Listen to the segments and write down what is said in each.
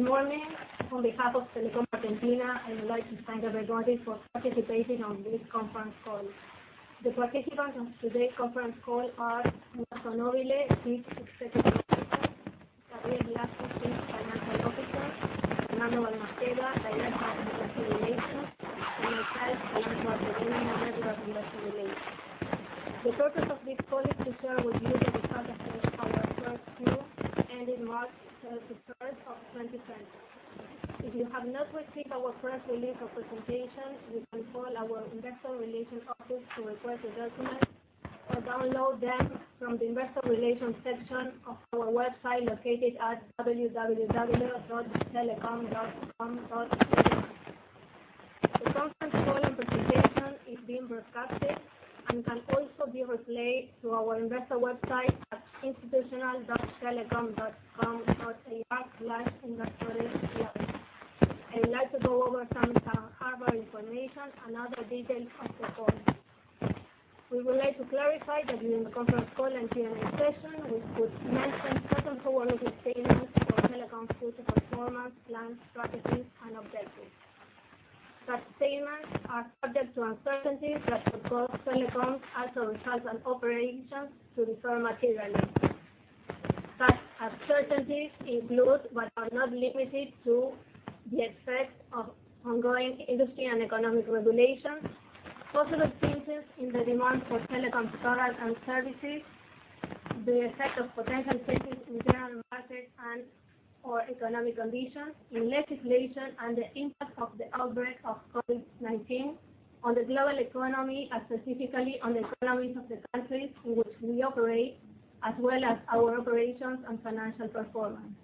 Good morning. On behalf of Telecom Argentina, I would like to thank everybody for participating on this conference call. The participants on today's conference call are Roberto Nobile, Chief Executive Officer; Gabriel Blasi, Chief Financial Officer; Fernando Balmaceda Director of Investor Relations; and myself, Solange Barthe Dennin, Head of Investor Relations. The purpose of this call is to share with you the results of our first quarter ending March 31st of 2020. If you have not received our press release or presentation, you can call our investor relations office to request the documents, or download them from the investor relations section of our website located at www.telecom.com.ar. The conference call and presentation is being recorded and can also be replayed through our investor website at institutional.telecom.com.ar/investor-relations. I would like to go over some safe harbor information and other details of the call. We would like to clarify that during the conference call and Q&A session, we could mention certain forward-looking statements for Telecom's future performance, plans, strategies, and objectives. Such statements are subject to uncertainties that could cause Telecom's actual results and operations to differ materially. Such uncertainties include, but are not limited to, the effect of ongoing industry and economic regulations, possible changes in the demand for Telecom's products and services, the effect of potential changes in general market and/or economic conditions, new legislation, the impact of the outbreak of COVID-19 on the global economy, and specifically on the economies of the countries in which we operate, as well as our operations and financial performance.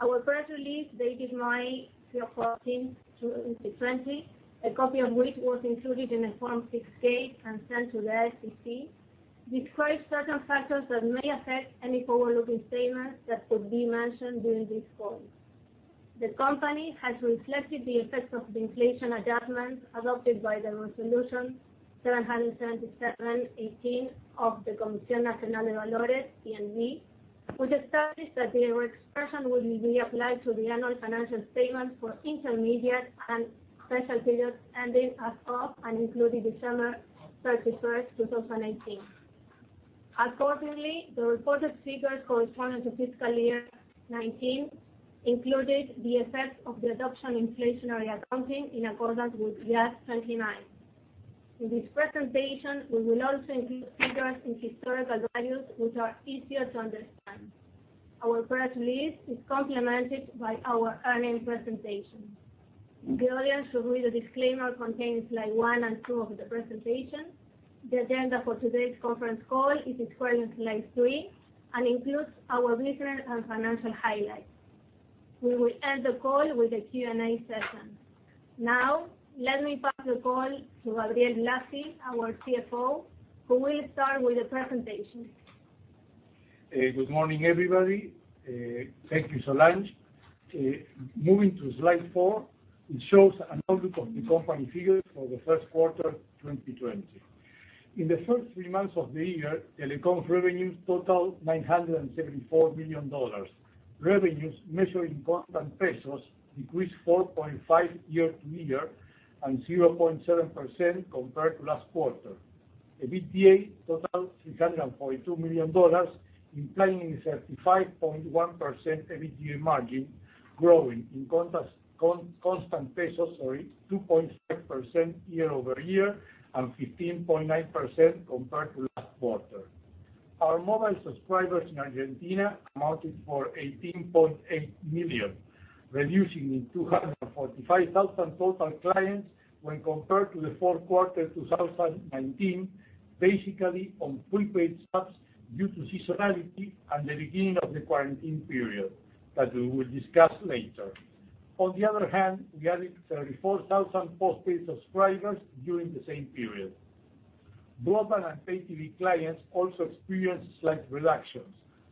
Our press release dated May 14, 2020, a copy of which was included in the Form 6-K and sent to the SEC, describes certain factors that may affect any forward-looking statements that could be mentioned during this call. The company has reflected the effects of the inflation adjustments adopted by the Resolution 777/18 of the Comisión Nacional de Valores, CNV, which established that the reexpression would be applied to the annual financial statements for intermediate and special periods ending as of and including December 31st, 2018. Accordingly, the reported figures corresponding to fiscal year 2019 included the effect of the adoption inflationary accounting in accordance with IAS 29. In this presentation, we will also include figures in historical values, which are easier to understand. Our press release is complemented by our earnings presentation. The audience should read the disclaimer contained in Slides one and two of the presentation. The agenda for today's conference call is included in Slide three and includes our business and financial highlights. We will end the call with a Q&A session. Let me pass the call to Gabriel Blasi, our CFO, who will start with the presentation. Good morning, everybody. Thank you, Solange. Moving to Slide 4, it shows an overview of the company figures for the first quarter 2020. In the first three months of the year, Telecom's revenues totaled $974 million. Revenues measured in constant pesos decreased 4.5% year-over-year and 0.7% compared to last quarter. EBITDA totaled ARS 342 million, implying a 35.1% EBITDA margin, growing in constant pesos 2.6% year-over-year and 15.9% compared to last quarter. Our mobile subscribers in Argentina amounted for 18.8 million, reducing in 245,000 total clients when compared to the fourth quarter 2019, basically on prepaid subs due to seasonality at the beginning of the quarantine period that we will discuss later. We added 34,000 postpaid subscribers during the same period. Broadband and Pay TV clients also experienced slight reductions,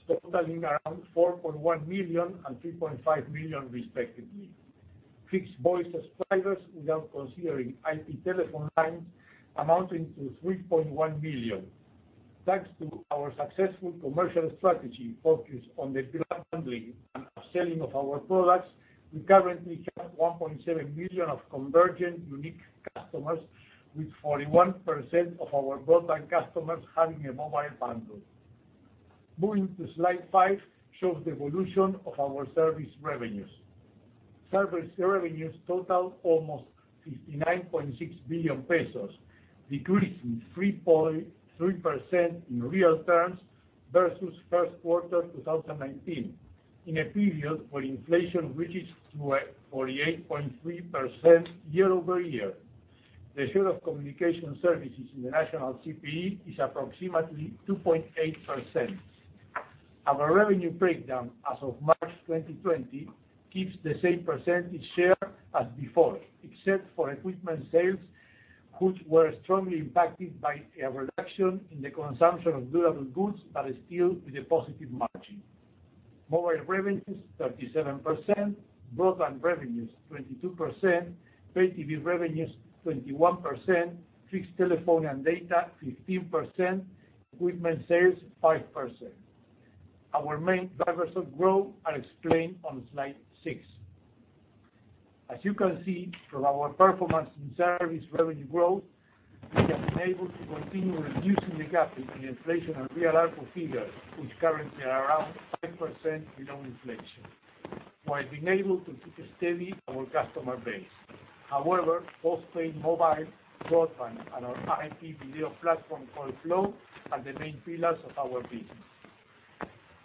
totaling around 4.1 million and 3.5 million respectively. Fixed voice subscribers, without considering IP telephone lines, amounting to 3.1 million. Thanks to our successful commercial strategy focused on the bundling and upselling of our products, we currently have 1.7 million of convergent unique customers, with 41% of our broadband customers having a mobile bundle. Moving to Slide 5 shows the evolution of our service revenues. Service revenues totaled almost 59.6 billion pesos, decreasing 3.3% in real terms versus first quarter 2019, in a period where inflation reaches to 48.3% year-over-year. The share of communication services in the national CPI is approximately 2.8%. Our revenue breakdown as of March 2020 keeps the same percentage share as before, except for equipment sales, which were strongly impacted by a reduction in the consumption of durable goods, but still with a positive margin. Mobile revenues, 37%; broadband revenues, 22%; Pay TV revenues, 21%; fixed telephone and data, 15%; equipment sales, 5%. Our main drivers of growth are explained on Slide 6. As you can see from our performance in service revenue growth, we have been able to continue reducing the gap between inflation and real ARPU figures, which currently are around 5% below inflation, while being able to keep steady our customer base. However, postpaid mobile, broadband, and our IP video platform, Flow, are the main pillars of our business.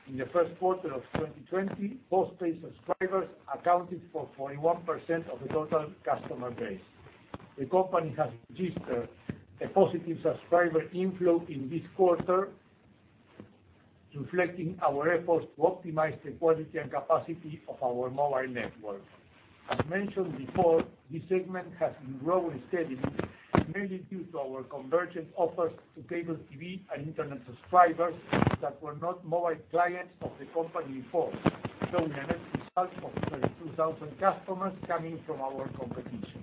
In the first quarter of 2020, postpaid subscribers accounted for 41% of the total customer base. The company has registered a positive subscriber inflow in this quarter, reflecting our efforts to optimize the quality and capacity of our mobile network. As mentioned before, this segment has been growing steadily, mainly due to our convergent offers to cable TV and internet subscribers that were not mobile clients of the company before, showing a net result of 32,000 customers coming from our competition.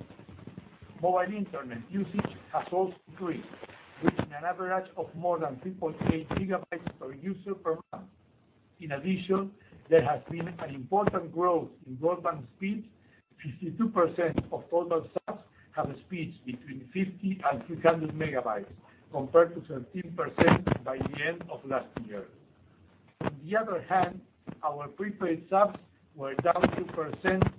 Mobile internet usage has also increased, reaching an average of more than 3.8 GB per user per month. There has been an important growth in broadband speeds. 52% of total subs have speeds between 50 MB and 300 MB, compared to 13% by the end of last year. Our prepaid subs were down 2%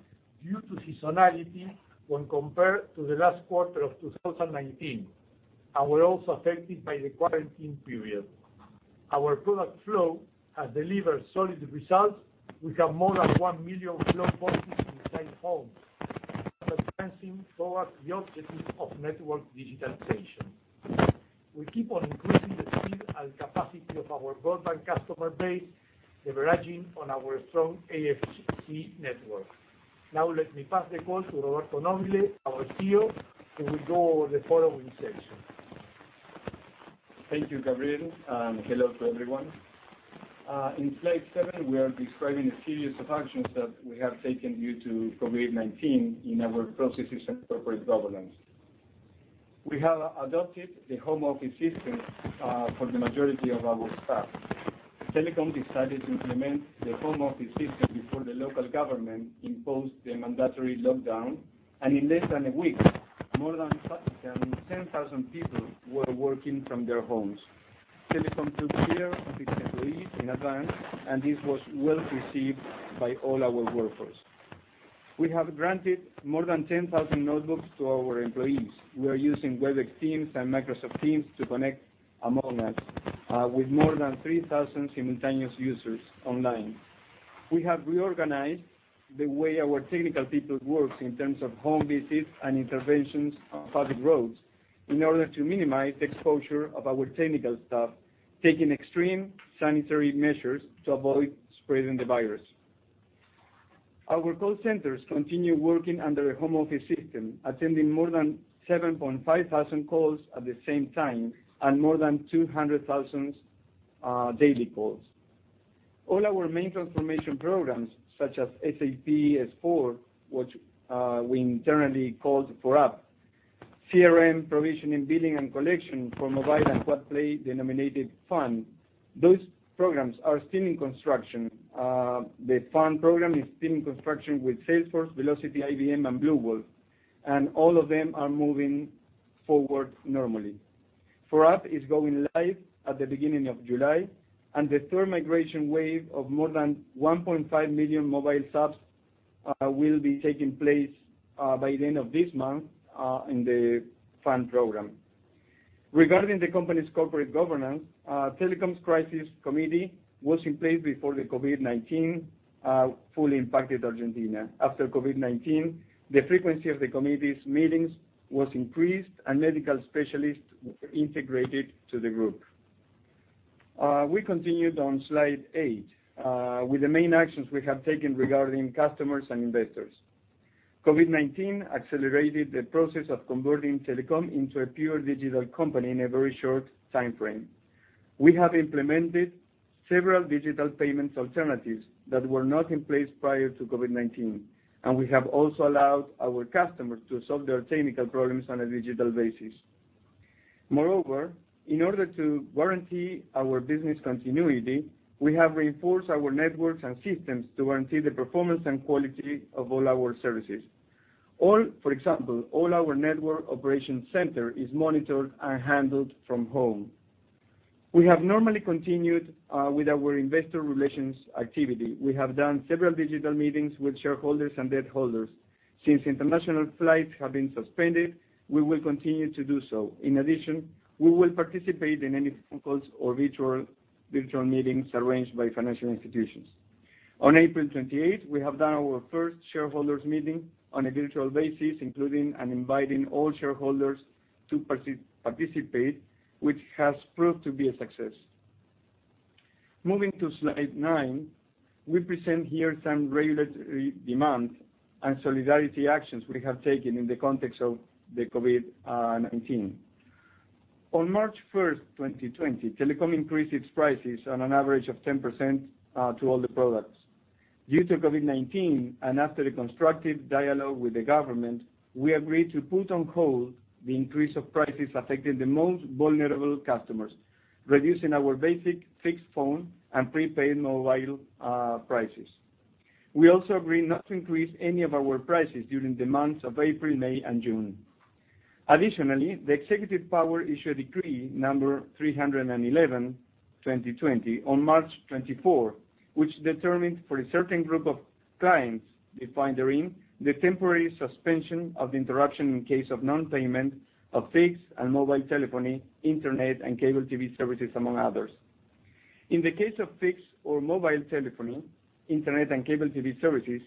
due to seasonality when compared to the last quarter of 2019 and were also affected by the quarantine period. Our product Flow has delivered solid results. We have more than 1 million Flow boxes inside homes, advancing towards the objective of network digitalization. We keep on increasing the speed and capacity of our broadband customer base, leveraging on our strong HFC network. Now let me pass the call to Roberto Nobile, our CEO, who will go over the following section. Thank you, Gabriel, and hello to everyone. In slide seven, we are describing a series of actions that we have taken due to COVID-19 in our processes and corporate governance. We have adopted the home office system for the majority of our staff. Telecom decided to implement the home office system before the local government imposed the mandatory lockdown, and in less than a week, more than 10,000 people were working from their homes. Telecom took care of its employees in advance, and this was well received by all our workforce. We have granted more than 10,000 notebooks to our employees. We are using Webex Teams and Microsoft Teams to connect among us, with more than 3,000 simultaneous users online. We have reorganized the way our technical people work in terms of home visits and interventions on public roads in order to minimize the exposure of our technical staff, taking extreme sanitary measures to avoid spreading the virus. Our call centers continue working under a home office system, attending more than 7,500 calls at the same time and more than 200,000 daily calls. All our main transformation programs, such as SAP S/4, which we internally call 4UP, CRM, provisioning, billing, and collection for mobile and quad-play denominated FUN. Those programs are still in construction. The FUN program is still in construction with Salesforce, Vlocity, IBM, and Bluewolf, and all of them are moving forward normally. 4UP is going live at the beginning of July, and the third migration wave of more than 1.5 million mobile subs will be taking place by the end of this month in the FUN program. Regarding the company's corporate governance, Telecom's crisis committee was in place before the COVID-19 fully impacted Argentina. After COVID-19, the frequency of the committee's meetings was increased, and medical specialists were integrated into the group. We continue on slide eight with the main actions we have taken regarding customers and investors. COVID-19 accelerated the process of converting Telecom into a pure digital company in a very short timeframe. We have implemented several digital payment alternatives that were not in place prior to COVID-19, and we have also allowed our customers to solve their technical problems on a digital basis. Moreover, in order to guarantee our business continuity, we have reinforced our networks and systems to guarantee the performance and quality of all our services. For example, all our network operation center is monitored and handled from home. We have normally continued with our investor relations activity. We have done several digital meetings with shareholders and debt holders. Since international flights have been suspended, we will continue to do so. In addition, we will participate in any phone calls or virtual meetings arranged by financial institutions. On April 28th, we have done our first shareholders meeting on a virtual basis, including and inviting all shareholders to participate, which has proved to be a success. Moving to slide nine, we present here some regulatory demands and solidarity actions we have taken in the context of the COVID-19. On March 1st, 2020, Telecom increased its prices on an average of 10% to all the products. Due to COVID-19, and after a constructive dialogue with the government, we agreed to put on hold the increase of prices affecting the most vulnerable customers, reducing our basic fixed phone and prepaid mobile prices. We also agreed not to increase any of our prices during the months of April, May, and June. Additionally, the executive power issued Decree number 311/2020 on March 24, which determined for a certain group of clients defined therein, the temporary suspension of the interruption in case of non-payment of fixed and mobile telephony, internet, and cable TV services, among others. In the case of fixed or mobile telephony, internet, and cable TV services,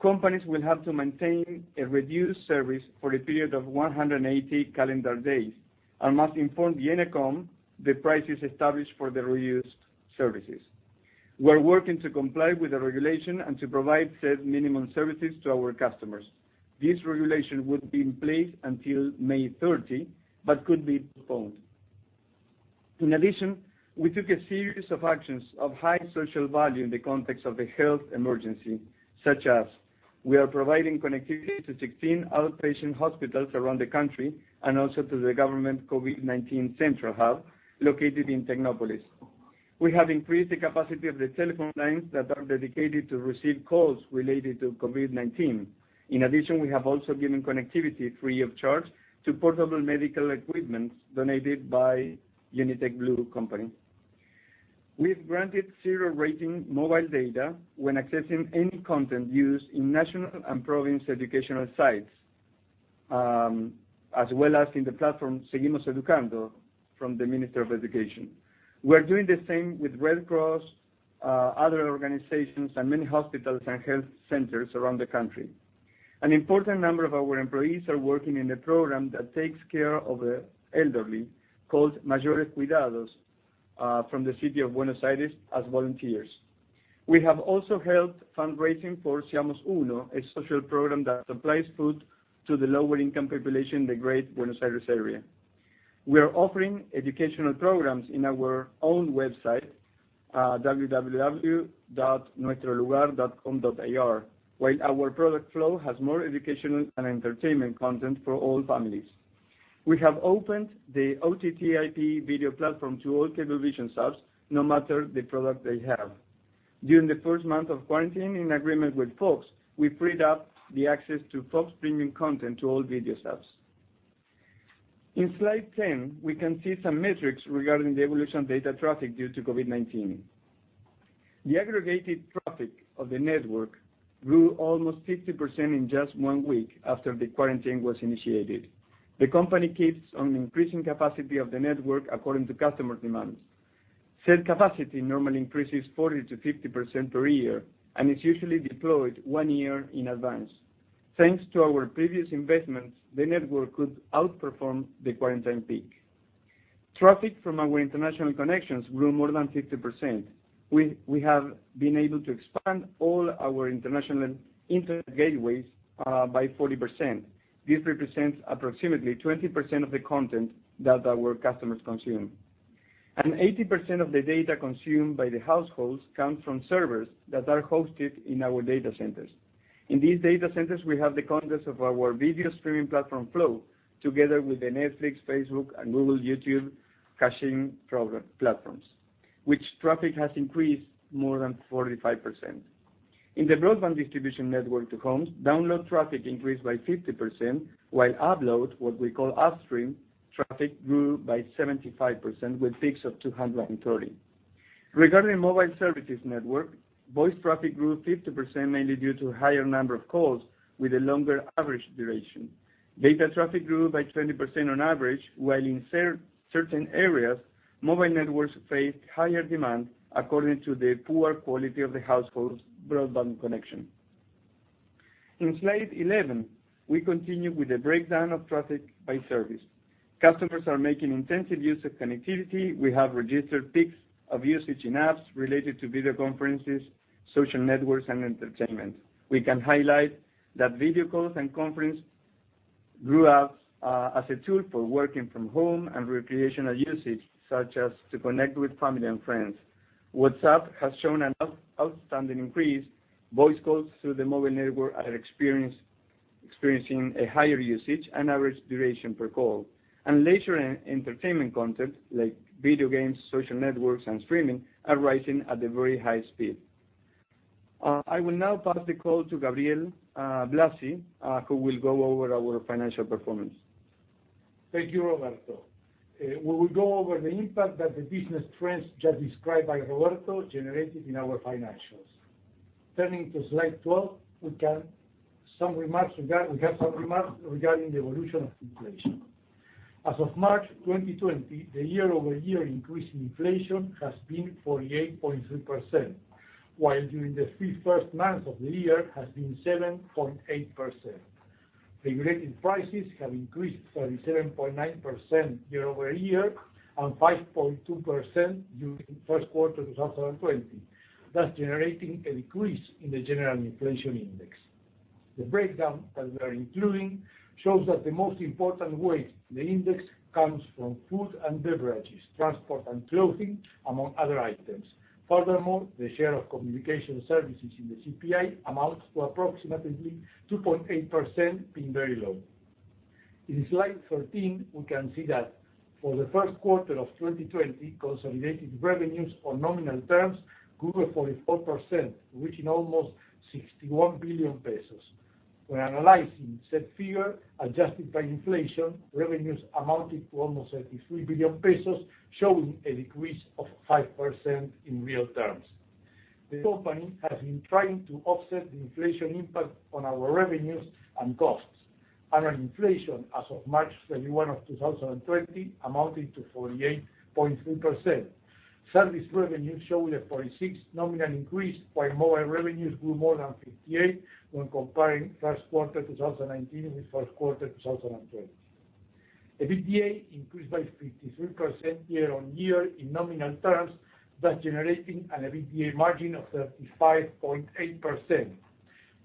companies will have to maintain a reduced service for a period of 180 calendar days, and must inform the ENACOM the prices established for the reduced services. We're working to comply with the regulation and to provide said minimum services to our customers. This regulation would be in place until May 30, but could be postponed. We took a series of actions of high social value in the context of the health emergency, such as we are providing connectivity to 16 outpatient hospitals around the country, and also to the government COVID-19 Central Hub located in Tecnopolis. We have increased the capacity of the telephone lines that are dedicated to receive calls related to COVID-19. We have also given connectivity free of charge to portable medical equipment donated by Unitec Blue Company. We've granted zero-rating mobile data when accessing any content used in national and province educational sites, as well as in the platform Seguimos Educando from the Minister of Education. We're doing the same with Red Cross, other organizations, and many hospitals and health centers around the country. An important number of our employees are working in a program that takes care of the elderly, called Mayores Cuidados, from the City of Buenos Aires as volunteers. We have also held fundraising for Seamos Uno, a social program that supplies food to the lower-income population in the great Buenos Aires area. We are offering educational programs on our own website, www.nuestrolugar.com.ar while our product Flow has more educational and entertainment content for all families. We have opened the OTT IP video platform to all Cablevisión subs, no matter the product they have. During the first month of quarantine, in agreement with Fox, we freed up the access to Fox Premium content to all video subs. In slide 10, we can see some metrics regarding the evolution of data traffic due to COVID-19. The aggregated traffic of the network grew almost 50% in just one week after the quarantine was initiated. The company keeps on increasing capacity of the network according to customer demands. Said capacity normally increases 40%-50% per year and is usually deployed one year in advance. Thanks to our previous investments, the network could outperform the quarantine peak. Traffic from our international connections grew more than 50%. We have been able to expand all our international internet gateways by 40%. This represents approximately 20% of the content that our customers consume. 80% of the data consumed by the households comes from servers that are hosted in our data centers. In these data centers, we have the contents of our video streaming platform Flow, together with the Netflix, Facebook, and Google YouTube caching platforms, which traffic has increased more than 45%. In the broadband distribution network to homes, download traffic increased by 50%, while upload, what we call upstream traffic, grew by 75% with peaks of 230. Regarding mobile services network, voice traffic grew 50%, mainly due to higher number of calls with a longer average duration. Data traffic grew by 20% on average, while in certain areas, mobile networks faced higher demand according to the poor quality of the household's broadband connection. In slide 11, we continue with the breakdown of traffic by service. Customers are making intensive use of connectivity. We have registered peaks of usage in apps related to video conferences, social networks, and entertainment. We can highlight that video calls and conference grew up as a tool for working from home and recreational usage, such as to connect with family and friends. WhatsApp has shown an outstanding increase. Voice calls through the mobile network are experiencing a higher usage and average duration per call. Leisure and entertainment content like video games, social networks, and streaming are rising at a very high speed. I will now pass the call to Gabriel Blasi, who will go over our financial performance. Thank you, Roberto. We will go over the impact that the business trends just described by Roberto generated in our financials. Turning to slide 12, we have some remarks regarding the evolution of inflation. As of March 2020, the year-over-year increase in inflation has been 48.3%, while during the three first months of the year it has been 7.8%. Regulated prices have increased 37.9% year-over-year and 5.2% during the first quarter of 2020, thus generating a decrease in the general inflation index. The breakdown that we are including shows that the most important weight in the index comes from food and beverages, transport and clothing, among other items. Furthermore, the share of communication services in the CPI amounts to approximately 2.8%, being very low. In slide 13, we can see For the first quarter of 2020, consolidated revenues on nominal terms grew by 44%, reaching almost 61 billion pesos. When analyzing said figure, adjusted by inflation, revenues amounted to almost 33 billion pesos, showing a decrease of 5% in real terms. The company has been trying to offset the inflation impact on our revenues and costs. Annual inflation as of March 31 of 2020 amounted to 48.3%. Service revenues showed a 46% nominal increase, while mobile revenues grew more than 58% when comparing first quarter 2019 with first quarter 2020. EBITDA increased by 53% year-over-year in nominal terms, thus generating an EBITDA margin of 35.8%.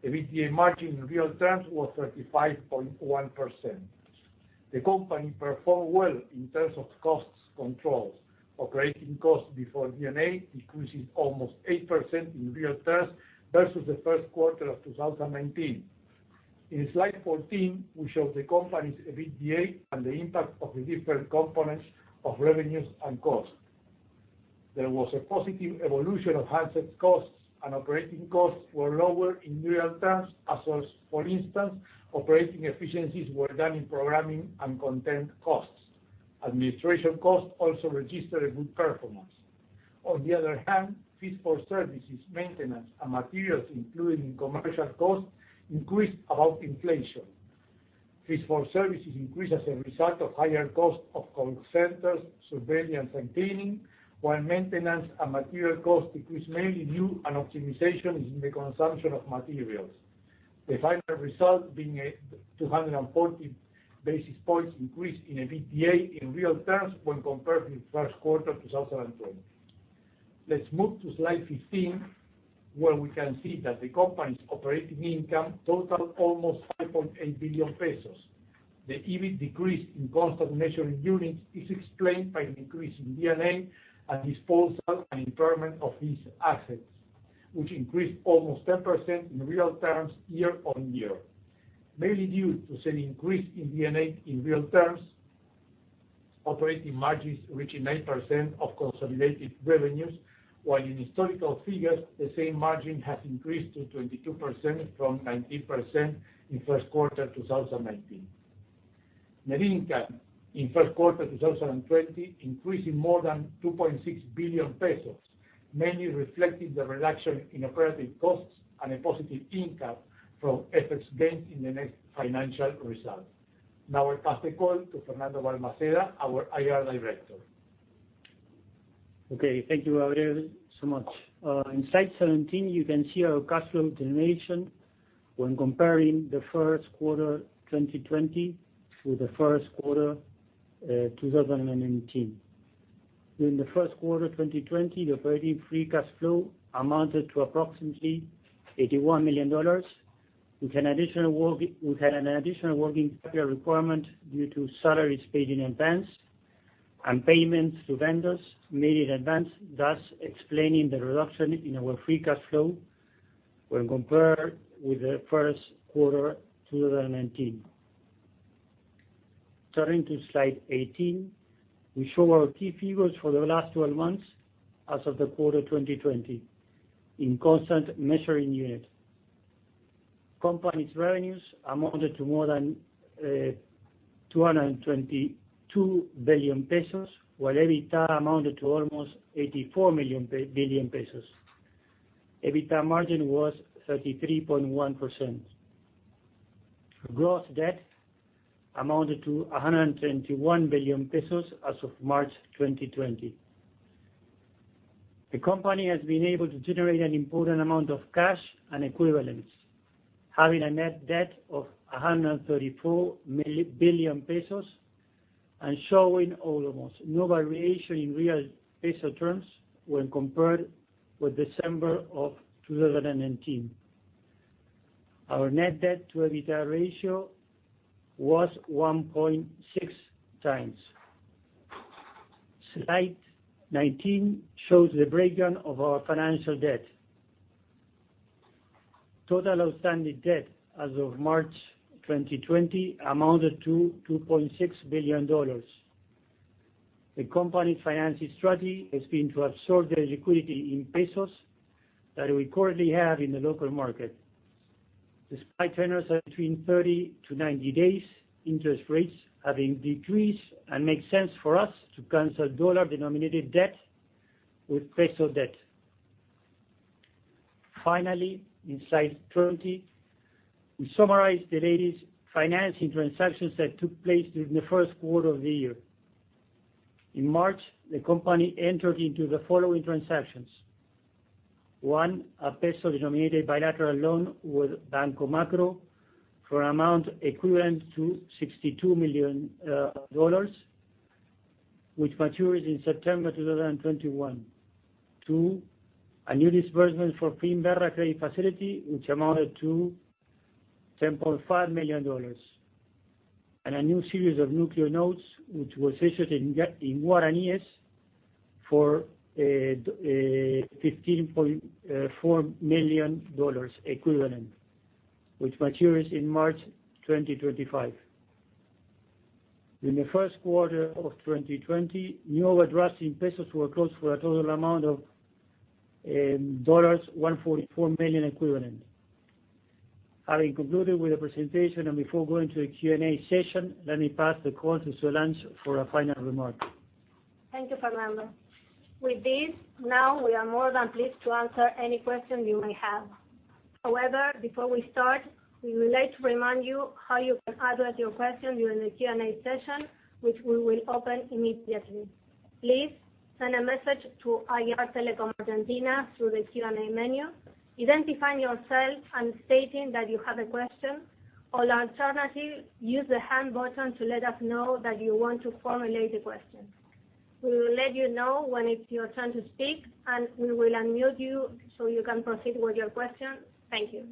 EBITDA margin in real terms was 35.1%. The company performed well in terms of costs controls. Operating costs before D&A decreases almost 8% in real terms versus the first quarter of 2019. In slide 14, we show the company's EBITDA and the impact of the different components of revenues and costs. There was a positive evolution of handsets costs and operating costs were lower in real terms as well. For instance, operating efficiencies were done in programming and content costs. Administration costs also registered a good performance. On the other hand, fees for services, maintenance, and materials included in commercial costs increased above inflation. Fees for services increased as a result of higher costs of call centers, surveillance, and cleaning, while maintenance and material costs decreased, mainly due an optimization in the consumption of materials. The final result being a 240 basis points increase in EBITDA in real terms when compared with first quarter 2020. Let's move to slide 15, where we can see that the company's operating income totaled almost 5.8 billion pesos. The EBIT decrease in constant measuring units is explained by an increase in D&A and disposal and impairment of these assets, which increased almost 10% in real terms year-on-year, mainly due to said increase in D&A in real terms, operating margins reaching 9% of consolidated revenues, while in historical figures, the same margin has increased to 22% from 19% in first quarter 2019. Net income in first quarter 2020 increased to more than 2.6 billion pesos, mainly reflecting the reduction in operating costs and a positive income from FX gains in the next financial results. Now I pass the call to Fernando Balmaceda, our IR director. Okay. Thank you, Gabriel, so much. On slide 17, you can see our cash flow generation when comparing the first quarter 2020 to the first quarter 2019. During the first quarter 2020, the operating free cash flow amounted to approximately ARS 81 million. We had an additional working capital requirement due to salaries paid in advance and payments to vendors made in advance, thus explaining the reduction in our free cash flow when compared with the first quarter 2019. Turning to slide 18, we show our key figures for the last 12 months as of the quarter 2020 in constant measuring unit. Company's revenues amounted to more than 222 billion pesos, while EBITDA amounted to almost 84 billion pesos. EBITDA margin was 33.1%. Gross debt amounted to 121 billion pesos as of March 2020. The company has been able to generate an important amount of cash and equivalents, having a net debt of 134 billion pesos and showing almost no variation in real ARS terms when compared with December of 2019. Our net debt to EBITDA ratio was 1.6 times. Slide 19 shows the breakdown of our financial debt. Total outstanding debt as of March 2020 amounted to $2.6 billion. The company's financing strategy has been to absorb the liquidity in ARS that we currently have in the local market. Despite tenors between 30 to 90 days, interest rates have been decreased and makes sense for us to cancel USD-denominated debt with ARS debt. In slide 20, we summarize the latest financing transactions that took place during the first quarter of the year. In March, the company entered into the following transactions. One, a peso-denominated bilateral loan with Banco Macro for an amount equivalent to ARS 62 million, which matures in September 2021. Two, a new disbursement for Finnvera Credit Facility, which amounted to ARS 10.5 million. A new series of Núcleo notes, which was issued in guaraníes. For ARS 15.4 million equivalent, which matures in March 2025. In the first quarter of 2020, now addressing pesos were closed for a total amount of ARS 144 million equivalent. Having concluded with the presentation and before going to the Q&A session, let me pass the call to Solange for a final remark. Thank you, Fernando. With this, now we are more than pleased to answer any question you may have. However, before we start, we would like to remind you how you can address your question during the Q&A session, which we will open immediately. Please send a message to IR Telecom Argentina through the Q&A menu, identifying yourself and stating that you have a question, or alternatively, use the Hand button to let us know that you want to formulate a question. We will let you know when it's your turn to speak, and we will unmute you so you can proceed with your question. Thank you.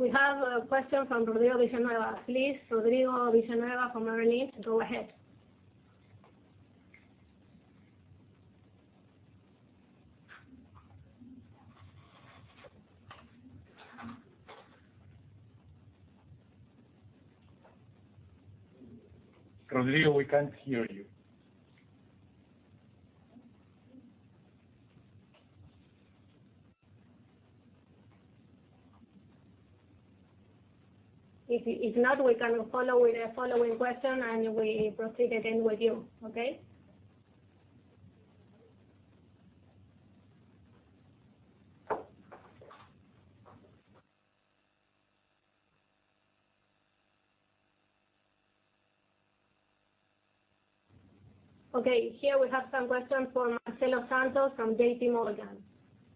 We have a question from Rodrigo Villanueva. Please, Rodrigo Villanueva from RBC, go ahead. Rodrigo, we can't hear you. If not, we can follow with the following question. We proceed again with you. Okay? Okay, here we have some questions from Marcelo Santos from JP Morgan.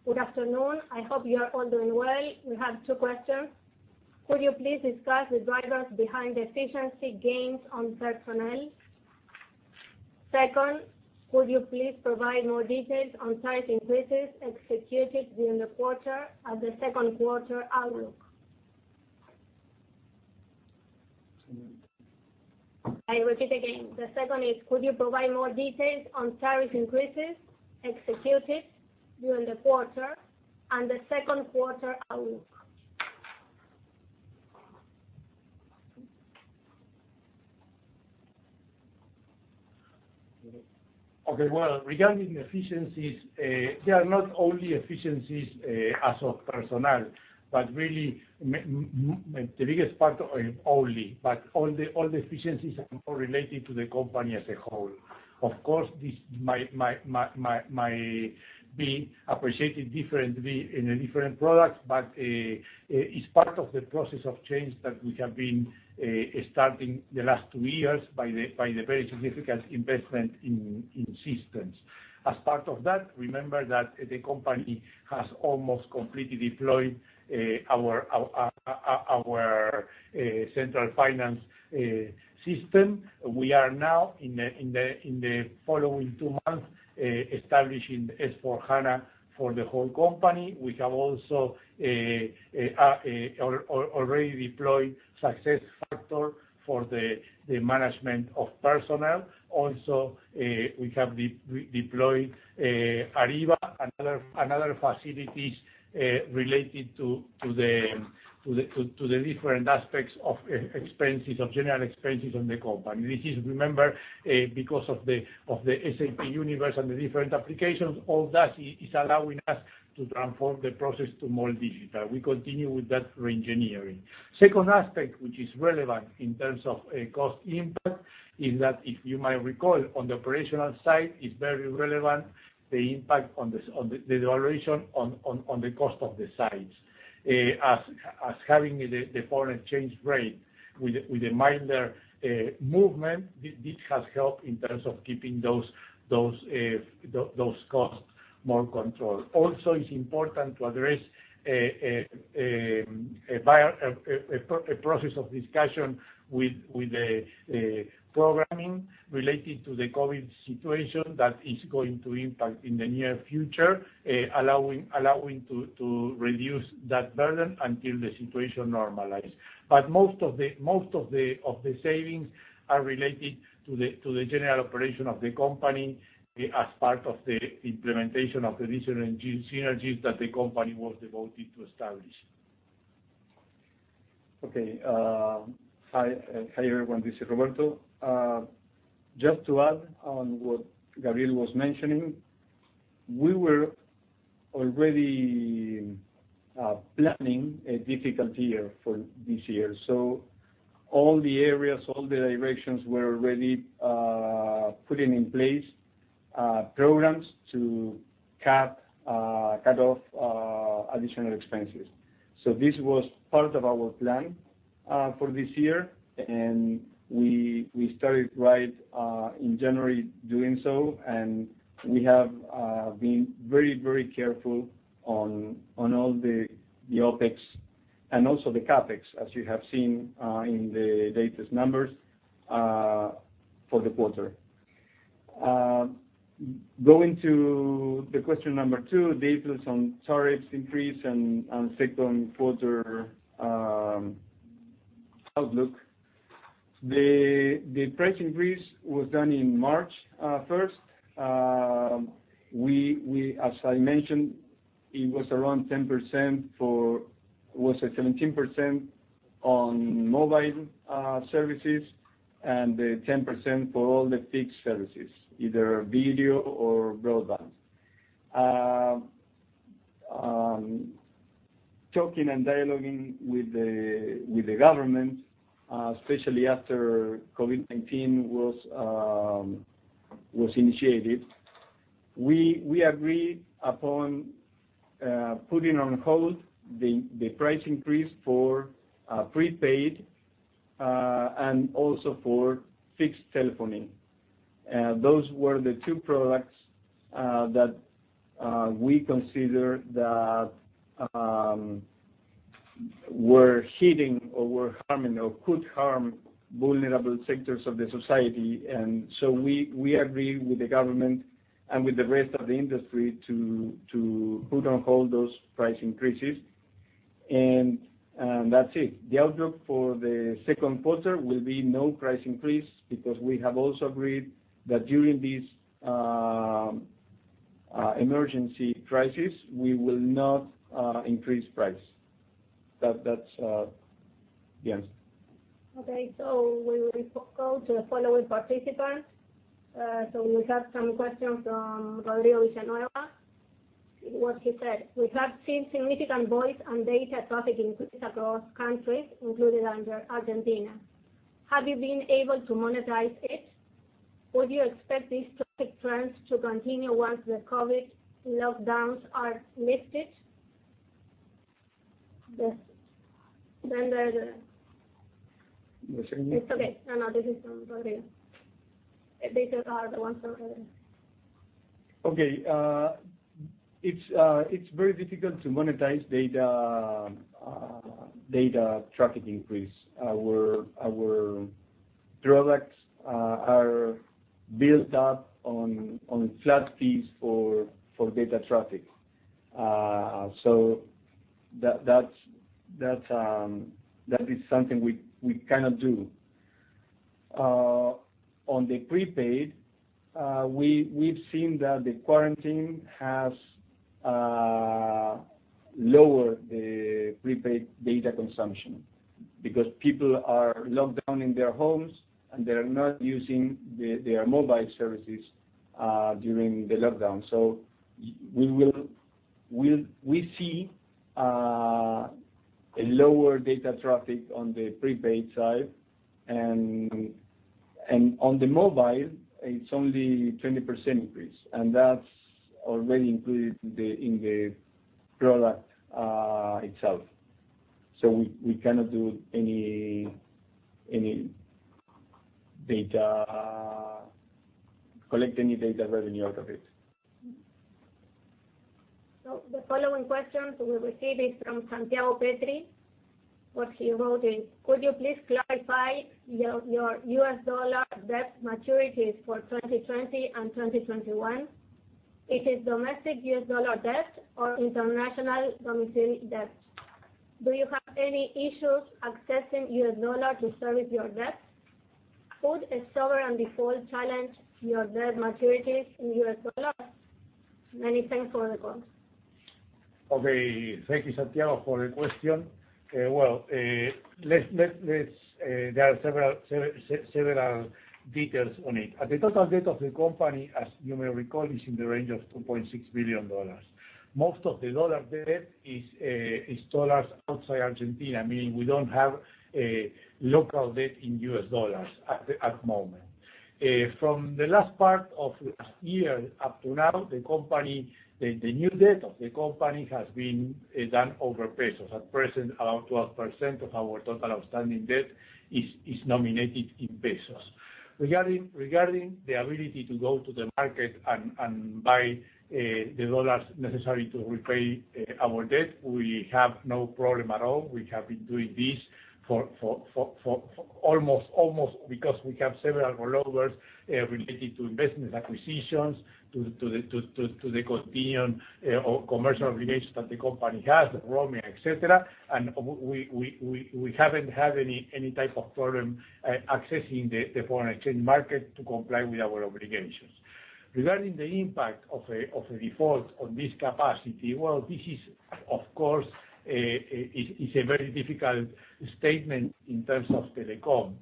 Good afternoon. I hope you are all doing well. We have two questions. Could you please discuss the drivers behind the efficiency gains on personnel? Second, could you please provide more details on tariff increases executed during the quarter and the second quarter outlook? I repeat again. The second is, could you provide more details on tariff increases executed during the quarter and the second quarter outlook? Okay. Well, regarding efficiencies, they are not only efficiencies as of personnel, but really, the biggest part only, but all the efficiencies are more related to the company as a whole. Of course, this might be appreciated differently in the different products, but it's part of the process of change that we have been starting the last two years by the very significant investment in systems. As part of that, remember that the company has almost completely deployed our central finance system. We are now, in the following two months, establishing S/4HANA for the whole company. We have also already deployed SuccessFactors for the management of personnel. We have deployed Ariba and other facilities related to the different aspects of general expenses on the company. This is, remember, because of the SAP universe and the different applications, all that is allowing us to transform the process to more digital. We continue with that re-engineering. Second aspect, which is relevant in terms of cost impact, is that if you might recall on the operational side, it's very relevant the impact on the duration on the cost of the sites. As having the foreign exchange rate with a minor movement, this has helped in terms of keeping those costs more controlled. Also, it's important to address a process of discussion with the programming related to the COVID-19 situation that is going to impact in the near future allowing to reduce that burden until the situation normalize. Most of the savings are related to the general operation of the company as part of the implementation of the recent synergies that the company was devoted to establish. Okay. Hi everyone, this is Roberto. Just to add on what Gabriel was mentioning, we were already planning a difficult year for this year. All the areas, all the directions were already putting in place programs to cut off additional expenses. This was part of our plan for this year, and we started right in January doing so, and we have been very careful on all the OpEx and also the CapEx, as you have seen in the latest numbers for the quarter. Going to the question number 2, the influence on tariffs increase and on second quarter outlook. The price increase was done on March 1st. As I mentioned, it was 17% on mobile services and 10% for all the fixed services, either video or broadband. Talking and dialoguing with the government, especially after COVID-19 was initiated, we agreed upon putting on hold the price increase for prepaid and also for fixed telephony. Those were the 2 products that we consider that were hitting or were harming or could harm vulnerable sectors of the society. We agreed with the government and with the rest of the industry to put on hold those price increases, and that's it. The outlook for the second quarter will be no price increase, because we have also agreed that during this emergency crisis, we will not increase price. That's the answer. Okay. We will go to the following participant. We have some questions from Rodrigo Villanueva. What he said: We have seen significant voice and data traffic increases across countries, including Argentina. Have you been able to monetize it? Would you expect these traffic trends to continue once the COVID-19 lockdowns are lifted? You said me? It's okay. This is from Rodrigo. These are the ones from Rodrigo. Okay. It's very difficult to monetize data traffic increase. Our products are built up on flat fees for data traffic. That is something we cannot do. On the prepaid, we've seen that the quarantine has lowered the prepaid data consumption because people are locked down in their homes, and they're not using their mobile services during the lockdown. We see a lower data traffic on the prepaid side. On the mobile, it's only 20% increase, and that's already included in the product itself. We cannot collect any data revenue out of it. The following questions we received is from Santiago Petri. What he wrote is: Could you please clarify your US dollar debt maturities for 2020 and 2021? Is it domestic US dollar debt or international domiciled debt? Do you have any issues accessing US dollar to service your debt? Could a sovereign default challenge your debt maturities in US dollar? Many thanks for the call. Okay. Thank you, Santiago, for the question. Well, there are several details on it. The total debt of the company, as you may recall, is in the range of $2.6 billion. Most of the dollar debt is dollars outside Argentina, meaning we don't have a local debt in U.S. dollars at the moment. From the last part of last year up to now, the new debt of the company has been done over pesos. At present, around 12% of our total outstanding debt is nominated in pesos. Regarding the ability to go to the market and buy the dollars necessary to repay our debt, we have no problem at all. We have been doing this because we have several rollovers related to investment acquisitions, to the convenient commercial relations that the company has with Roaming, et cetera. We haven't had any type of problem accessing the foreign exchange market to comply with our obligations. Regarding the impact of a default on this capacity, well, this is, of course, it's a very difficult statement in terms of Telecom.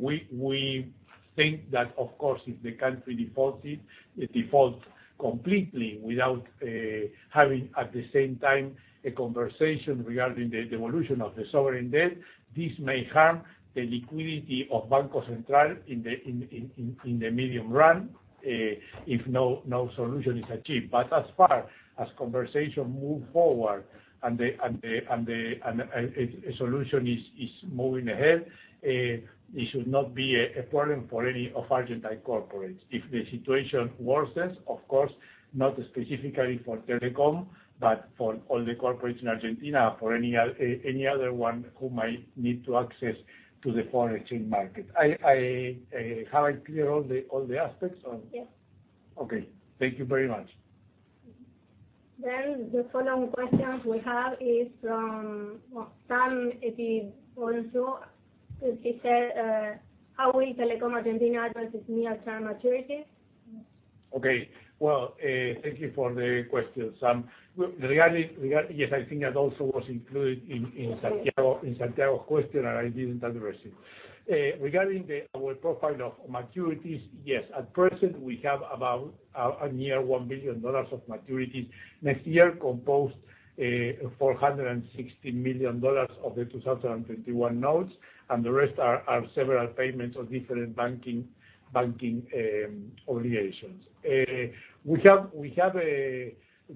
We think that, of course, if the country defaults completely without having, at the same time, a conversation regarding the devolution of the sovereign debt, this may harm the liquidity of Banco Central in the medium run, if no solution is achieved. As far as conversation move forward and a solution is moving ahead, it should not be a problem for any of Argentine corporates. If the situation worsens, of course, not specifically for Telecom, but for all the corporates in Argentina, for any other one who might need to access to the foreign exchange market. Have I clear all the aspects or? Yes. Okay. Thank you very much. The following questions we have is from Sam, if he wants to. If he said, how will Telecom Argentina address its near-term maturities? Thank you for the question, Sam. Yes, I think that also was included in Santiago's question, and I didn't address it. Yes, at present, we have about a near $1 billion of maturities next year composed $460 million of the 2021 notes, and the rest are several payments of different banking obligations. We have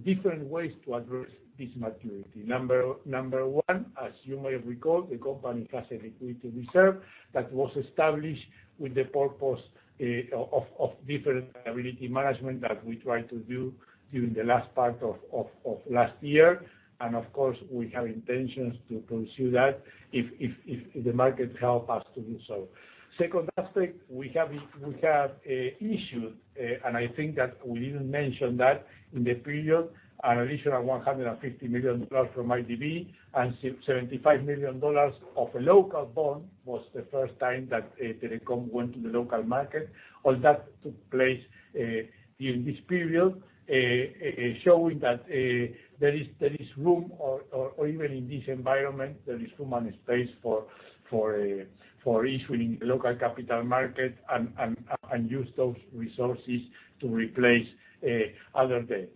different ways to address this maturity. Number one, as you may recall, the company has a liquidity reserve that was established with the purpose of different liability management that we tried to do during the last part of last year. Of course, we have intentions to pursue that if the market help us to do so. Second aspect, we have issued, and I think that we didn't mention that in the period, an additional $150 million from IDB and $75 million of a local bond, was the first time that Telecom went to the local market. All that took place during this period, showing that there is room or even in this environment, there is room and space for issuing local capital market and use those resources to replace other debt.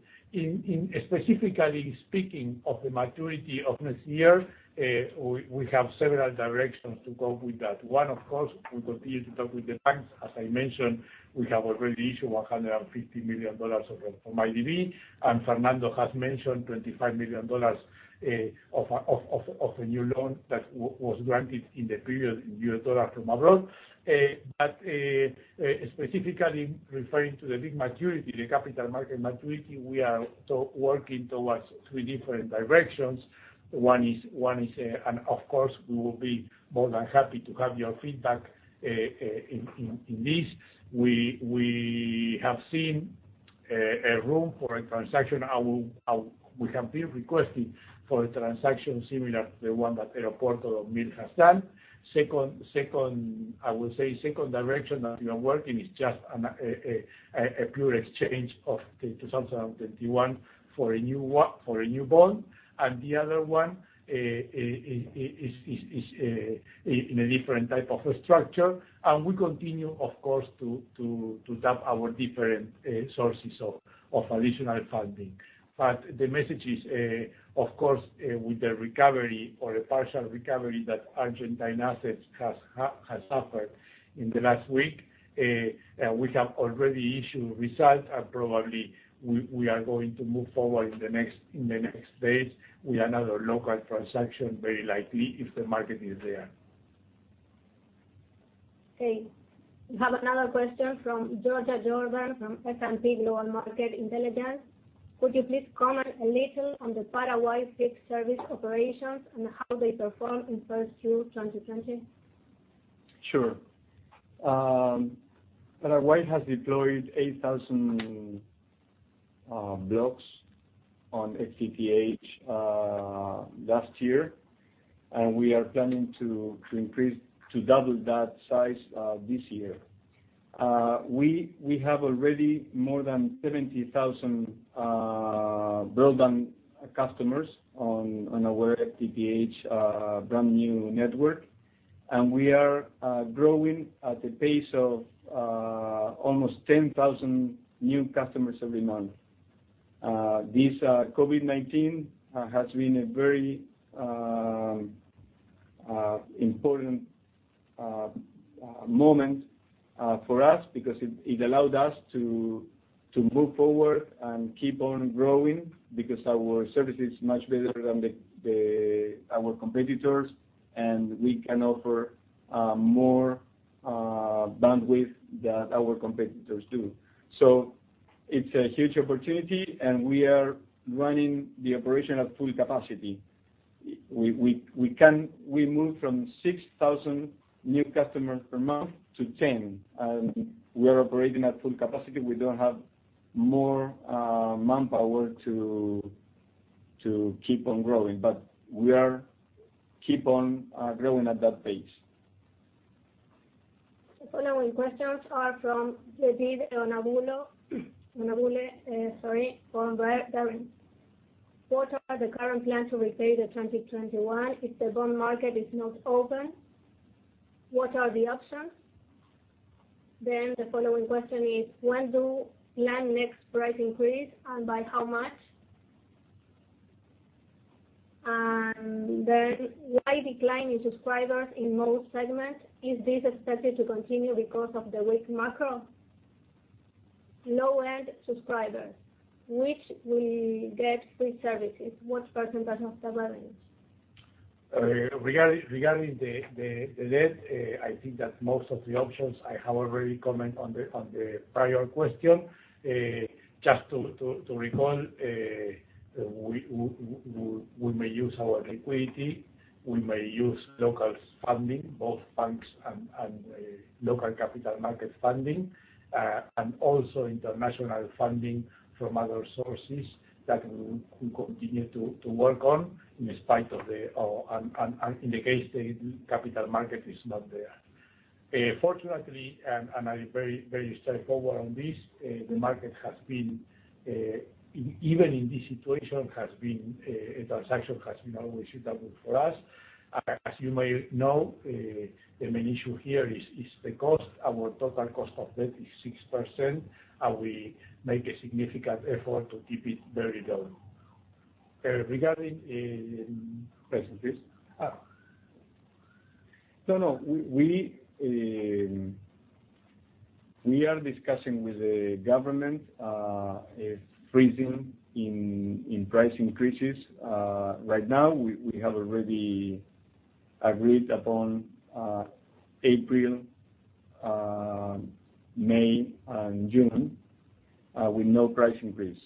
Specifically speaking of the maturity of next year, we have several directions to go with that. One, of course, we continue to talk with the banks. As I mentioned, we have already issued $150 million from IDB, and Fernando has mentioned $25 million of a new loan that was granted in the period in U.S. dollar from abroad. Specifically referring to the big maturity, the capital market maturity, we are working towards three different directions. One is, and of course, we will be more than happy to have your feedback in this. We have seen a room for a transaction. We have been requesting for a transaction similar to the one that [Aeropuerto Milan] has done. Second, I would say second direction that we are working is just a pure exchange of the 2021 for a new bond. And the other one is in a different type of structure. And we continue, of course, to tap our different sources of additional funding. The message is, of course, with the recovery or a partial recovery that Argentine assets have suffered in the last week, we have already issued results, and probably we are going to move forward in the next phase with another local transaction, very likely if the market is there. Okay. We have another question from Georgia Jordan from S&P Global Market Intelligence. Could you please comment a little on the Paraguay fixed service operations and how they perform in first Q2020? Sure. Paraguay has deployed 8,000 blocks on FTTH last year, and we are planning to double that size this year. We have already more than 70,000 broadband customers on our FTTH brand-new network, and we are growing at the pace of almost 10,000 new customers every month. This COVID-19 has been a very important moment for us because it allowed us to move forward and keep on growing because our service is much better than our competitors, and we can offer more bandwidth than our competitors do. It's a huge opportunity, and we are running the operation at full capacity. We moved from 6,000 new customers per month to 10, and we are operating at full capacity. We don't have more manpower to keep on growing, but we are keep on growing at that pace. The following questions are from Yejide Onabule from Baring. What are the current plan to repay the 2021 if the bond market is not open? What are the options? The following question is. When do you plan next price increase, and by how much? Why decline in subscribers in most segments? Is this expected to continue because of the weak macro? Low-end subscribers, which will get free services, what % of the revenues? Regarding the debt, I think that most of the options I have already comment on the prior question. Just to recall, we may use our liquidity. We may use local funding, both banks and local capital market funding, also international funding from other sources that we will continue to work on in spite of the, or, and in the case the capital market is not there. Fortunately, I'm very straightforward on this, the market, even in this situation, a transaction has been always suitable for us. As you may know, the main issue here is the cost. Our total cost of debt is 6%, and we make a significant effort to keep it very low. Regarding percentages. No, no. We are discussing with the government a freeze in price increases. Right now, we have already agreed upon April, May, and June with no price increase.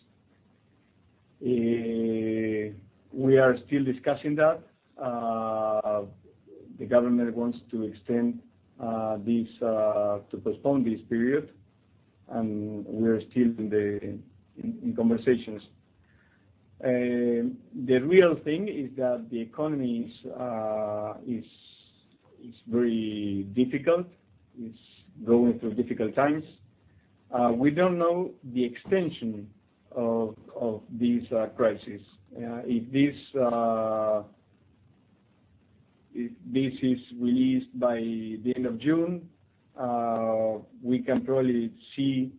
We are still discussing that. The government wants to postpone this period, and we are still in conversations. The real thing is that the economy is very difficult. It's going through difficult times. We don't know the extension of this crisis. If this is released by the end of June, we can probably see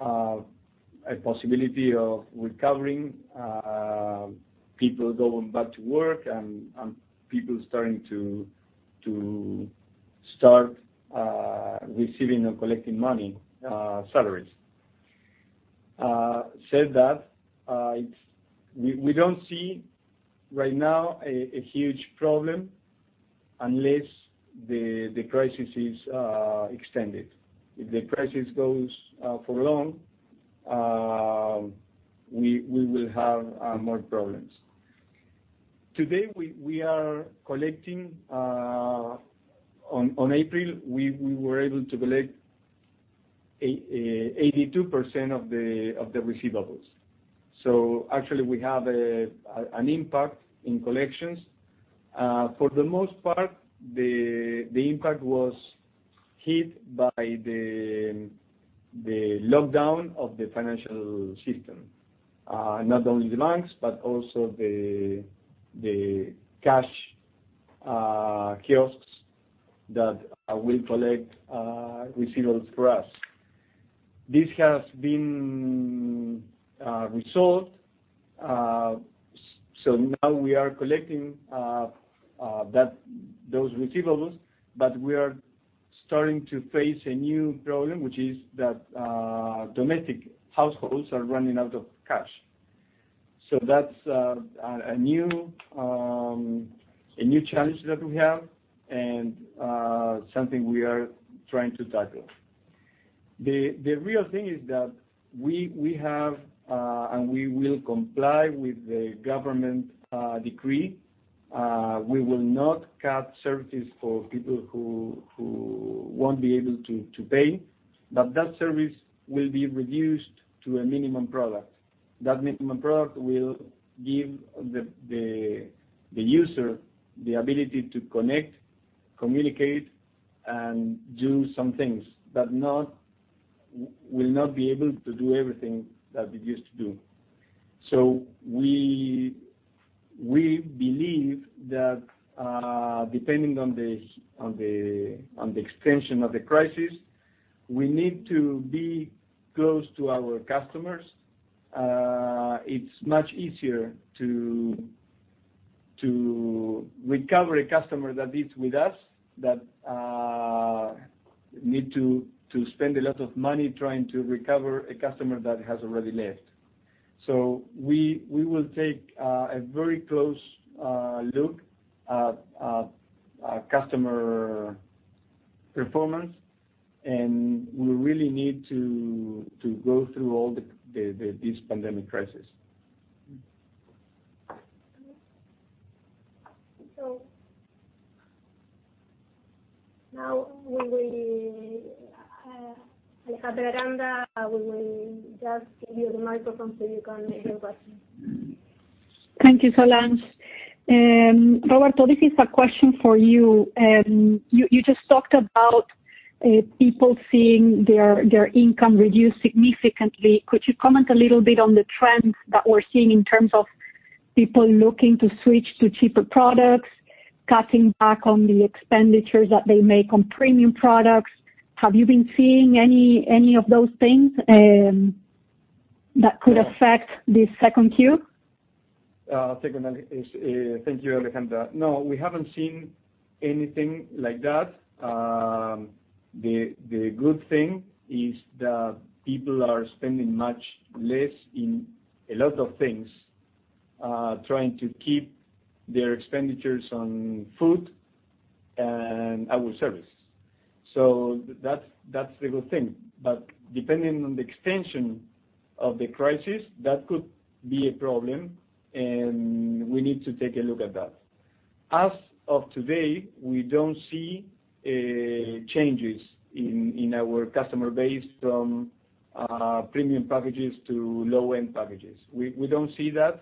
a possibility of recovering, people going back to work, and people starting to receive and collect money, salaries. Said that, we don't see, right now, a huge problem unless the crisis is extended. If the crisis goes for long, we will have more problems. Today, we are collecting. On April, we were able to collect 82% of the receivables. Actually, we have an impact in collections. For the most part, the impact was hit by the lockdown of the financial system. Not only the banks but also the cash kiosks that will collect receivables for us. This has been resolved. Now we are collecting those receivables, but we are starting to face a new problem, which is that domestic households are running out of cash. That's a new challenge that we have and something we are trying to tackle. The real thing is that we have, and we will comply with the government decree. We will not cut services for people who won't be able to pay, but that service will be reduced to a minimum product. That minimum product will give the user the ability to connect, communicate, and do some things. Will not be able to do everything that it used to do. We believe that depending on the extension of the crisis, we need to be close to our customers. It's much easier to recover a customer that is with us than need to spend a lot of money trying to recover a customer that has already left. We will take a very close look at customer performance, and we really need to go through all this pandemic crisis. Okay. Now Alejandra Aranda, we will just give you the microphone so you can hear us. Thank you, Solange. Roberto, this is a question for you. You just talked about people seeing their income reduced significantly. Could you comment a little bit on the trends that we're seeing in terms of people looking to switch to cheaper products, cutting back on the expenditures that they make on premium products? Have you been seeing any of those things that could affect this second Q? Thank you, Alejandra. No, we haven't seen anything like that. The good thing is that people are spending much less in a lot of things, trying to keep their expenditures on food and our service. That's the good thing. Depending on the extension of the crisis, that could be a problem, and we need to take a look at that. As of today, we don't see changes in our customer base from premium packages to low-end packages. We don't see that.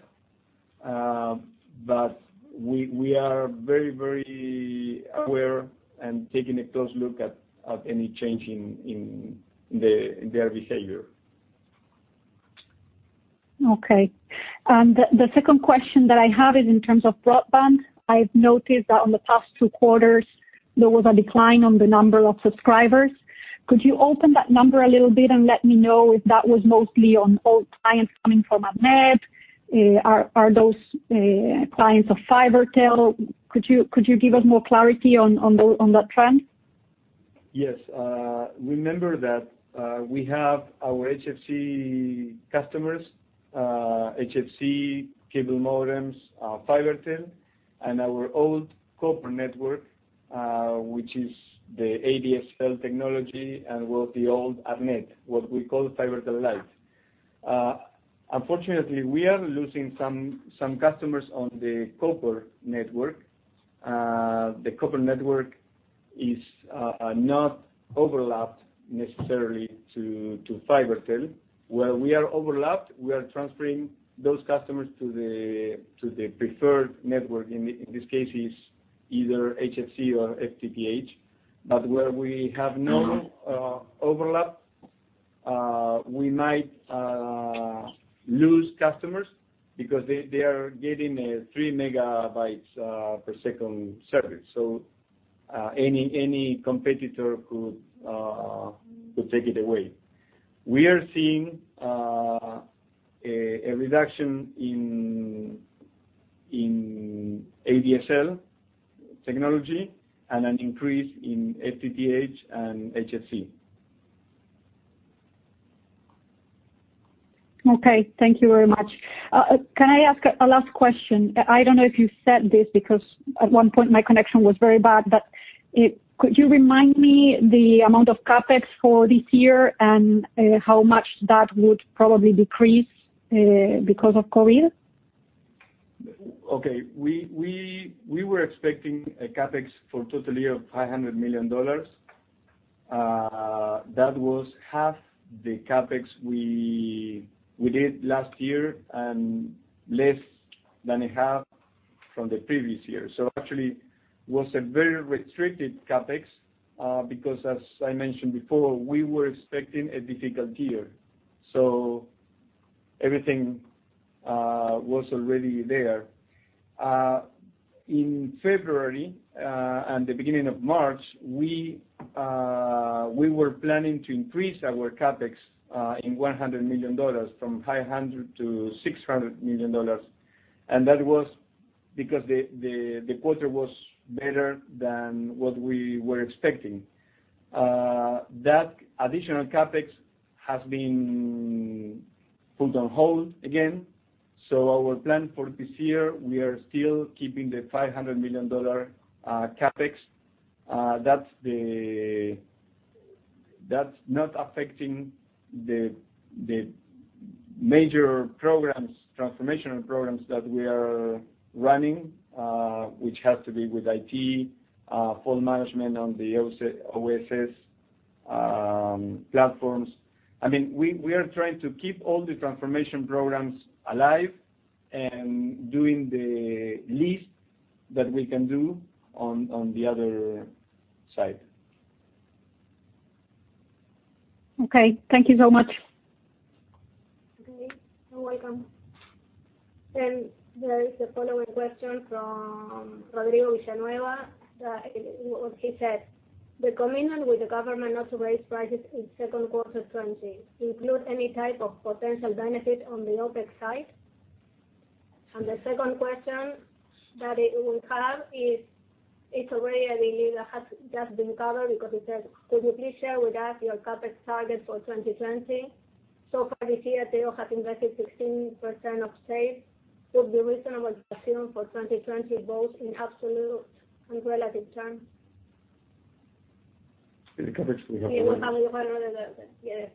We are very aware and taking a close look at any change in their behavior. Okay. The second question that I have is in terms of broadband. I've noticed that in the past two quarters, there was a decline in the number of subscribers. Could you open that number a little bit and let me know if that was mostly on old clients coming from Arnet? Are those clients of Fibertel? Could you give us more clarity on that trend? Yes. Remember that we have our HFC customers, HFC cable modems, Fibertel, and our old copper network, which is the ADSL technology and was the old Arnet, what we call Fibertel Lite. Unfortunately, we are losing some customers on the copper network. The copper network is not overlapped necessarily to Fibertel. Where we are overlapped, we are transferring those customers to the preferred network. In this case, it's either HFC or FTTH. Where we have no overlap, we might lose customers because they are getting a three megabytes per second service, so any competitor could take it away. We are seeing a reduction in ADSL technology and an increase in FTTH and HFC. Okay. Thank you very much. Can I ask a last question? I don't know if you said this because at one point my connection was very bad, but could you remind me the amount of CapEx for this year and how much that would probably decrease because of COVID? We were expecting a CapEx for total year of $500 million. That was half the CapEx we did last year and less than a half from the previous year. Actually, it was a very restricted CapEx, because as I mentioned before, we were expecting a difficult year. Everything was already there. In February and the beginning of March, we were planning to increase our CapEx in ARS 100 million from 500 to ARS 600 million. That was because the quarter was better than what we were expecting. That additional CapEx has been put on hold again. Our plan for this year, we are still keeping the $500 million CapEx. That's not affecting the major transformational programs that we are running, which has to be with IT, full management on the OSS platforms. We are trying to keep all the transformation programs alive and doing the least that we can do on the other side. Okay. Thank you so much. Okay. You're welcome. There is the following question from Rodrigo Villanueva. He said, "The commitment with the government not to raise prices in second quarter of 2020 include any type of potential benefit on the OpEx side?" The second question that he will have is, it's already, I believe, has just been covered because it says, "Could you please share with us your CapEx target for 2020? So far this year, TEO has invested 16% of sales. Would be reasonable assumption for 2020, both in absolute and relative terms. The CapEx we have already- Yes.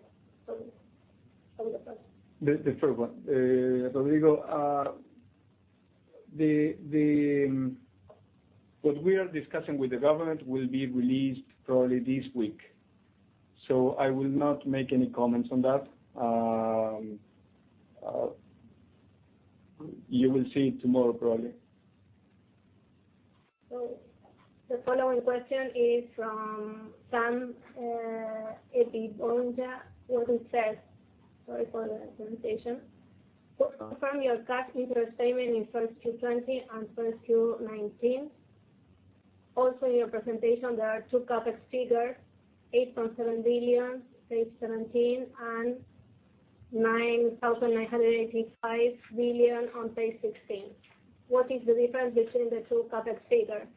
From the first. The first one. Rodrigo, what we are discussing with the government will be released probably this week. I will not make any comments on that. You will see it tomorrow, probably. The following question is from Sameer Bhasin, where he says, sorry for the pronunciation, "Confirm your cash interest payment in first Q 2020 and first Q 2019. Also, in your presentation, there are two CapEx figures, 8.7 billion, page 17, and 9,985 billion on page 16. What is the difference between the two CapEx figure?"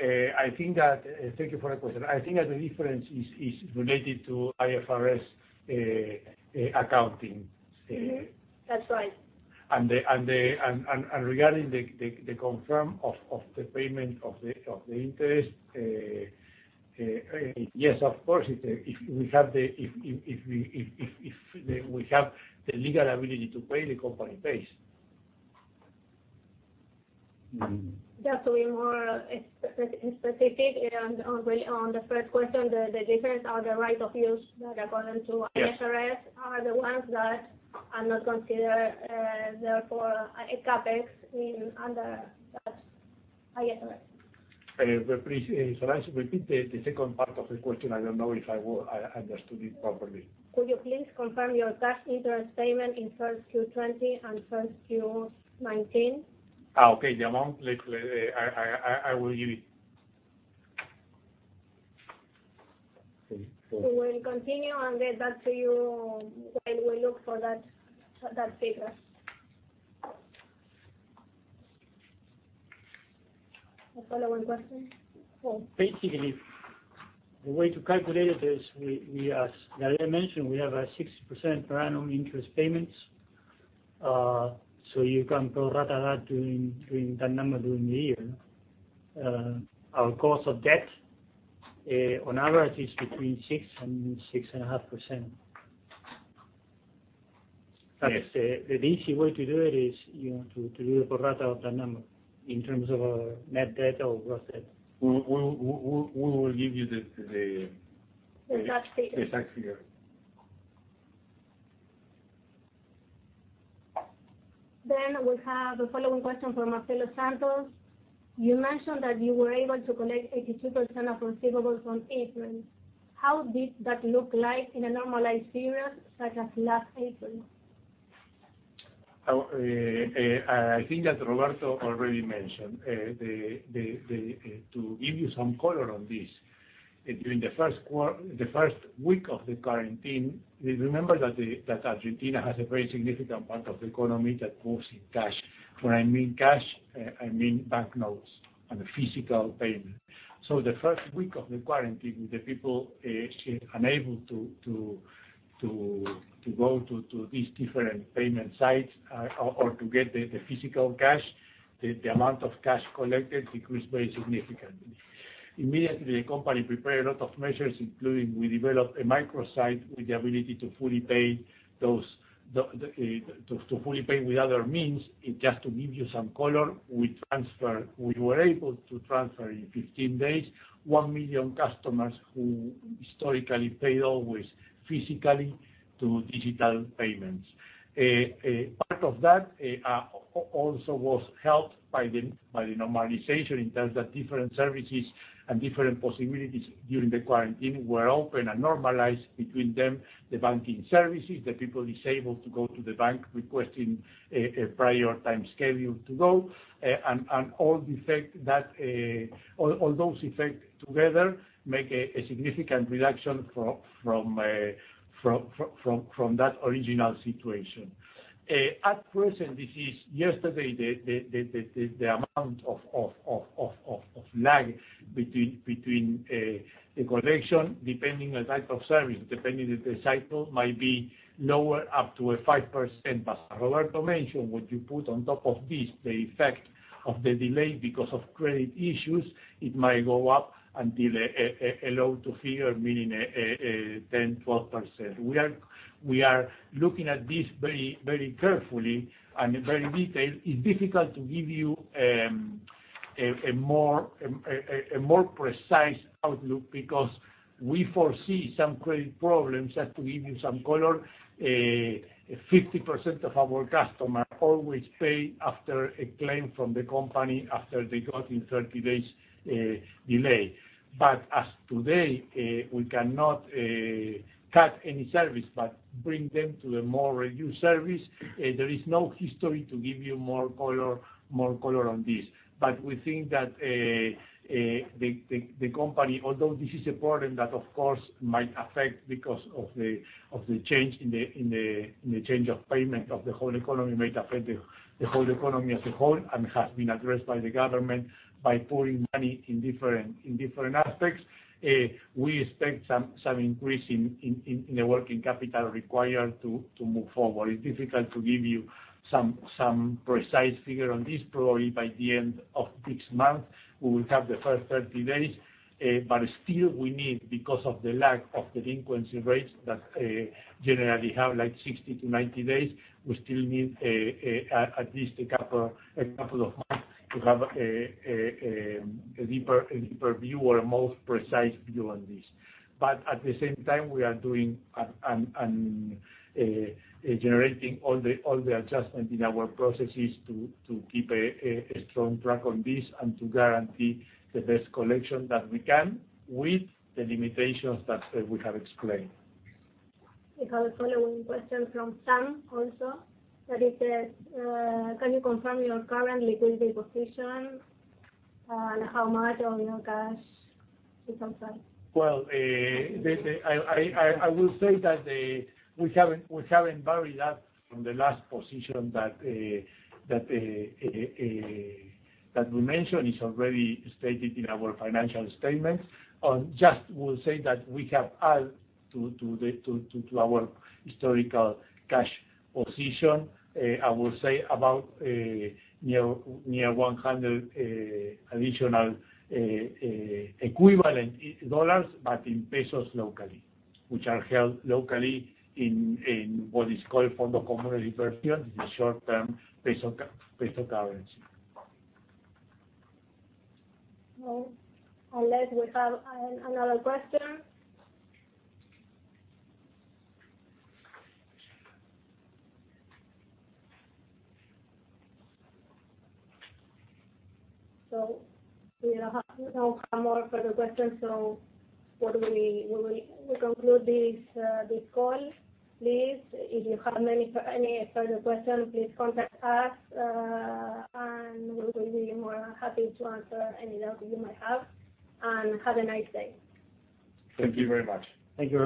Okay. Thank you for that question. I think that the difference is related to IFRS accounting. That's right. Regarding the confirm of the payment of the interest, yes, of course, if we have the legal ability to pay, the company pays. Just to be more specific on the first question, the difference on the right of use that according to IFRS are the ones that are not considered, therefore, a CapEx in under IFRS. I repeat the second part of the question. I don't know if I understood it properly. Could you please confirm your cash interest payment in first Q 2020 and first Q 2019? Okay, the amount, I will give it. We will continue and get back to you while we look for that figure. A follow-up question. The way to calculate it is, as Gabriel mentioned, we have a 6% per annum interest payment. You can pro rata that number during the year. Our cost of debt, on average, is between 6% and 6.5%. The easy way to do it is to do pro rata of the number in terms of our net debt or gross debt. We will give you. The exact figures. The exact figure. We have a follow-up question from Marcelo Santos. You mentioned that you were able to collect 82% of receivables on April. How did that look like in a normalized period, such as last April? I think that Roberto already mentioned. To give you some color on this, during the first week of the quarantine, remember that Argentina has a very significant part of the economy that moves in cash. When I mean cash, I mean banknotes and physical payment. The first week of the quarantine, the people unable to go to these different payment sites or to get the physical cash, the amount of cash collected decreased very significantly. Immediately, the company prepared a lot of measures, including we developed a micro site with the ability to fully pay with other means. Just to give you some color, we were able to transfer in 15 days, 1 million customers who historically paid always physically, to digital payments. Part of that also was helped by the normalization in terms of different services and different possibilities during the quarantine were open and normalized between them, the banking services, the people enabled to go to the bank requesting a prior time schedule to go. All those effects together make a significant reduction from that original situation. At present, this is yesterday, the amount of lag between the collection, depending on type of service, depending on the cycle, might be lower up to 5%. As Roberto mentioned, what you put on top of this, the effect of the delay because of credit issues, it might go up until a low two-figure meaning 10%, 12%. We are looking at this very carefully and in detail. It's difficult to give you a more precise outlook because we foresee some credit problems. Just to give you some color, 50% of our customers always pay after a claim from the company after they got in 30 days delay. As today, we cannot cut any service but bring them to a more reduced service. There is no history to give you more color on this. We think that the company, although this is a problem that of course might affect because of the change of payment of the whole economy, might affect the whole economy as a whole, and has been addressed by the government by pouring money in different aspects. We expect some increase in the working capital required to move forward. It's difficult to give you some precise figure on this. Probably by the end of this month, we will have the first 30 days. Still we need, because of the lag of delinquency rates that generally have 60-90 days, we still need at least a couple of months to have a deeper view or a more precise view on this. At the same time, we are doing and generating all the adjustments in our processes to keep a strong track on this and to guarantee the best collection that we can with the limitations that we have explained. We have a follow-up question from Sam, also, that he says, can you confirm your current liquidity position? How much of your cash is on hand? I will say that we haven't varied that from the last position that we mentioned. It's already stated in our financial statements. Just will say that we have added to our historical cash position, I will say about near 100 additional equivalent, but in ARS locally. Which are held locally in what is called fondo común de inversión. It's a short-term ARS currency. Well, unless we have another question. We don't have more further questions, so we conclude this call. Please, if you have any further questions, please contact us, and we will be more than happy to answer any doubts you might have. Have a nice day. Thank you very much. Thank you very much.